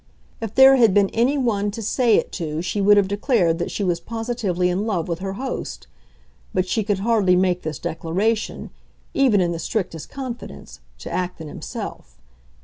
If there had been anyone to say it to she would have declared that she was positively in love with her host; but she could hardly make this declaration—even in the strictest confidence—to Acton himself.